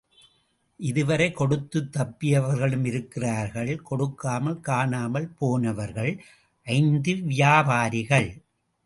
இதுவரை கொடுத்துத் தப்பியவர்களும் இருக்கிறார்கள், கொடுக்காமல் காணாமல் போனவர்கள் ஐந்து வியாபாரிகள்.